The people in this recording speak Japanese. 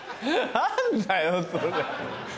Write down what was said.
何だよそれ。